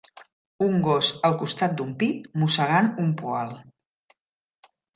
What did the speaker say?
Un gos al costat d'un pi mossegant un poal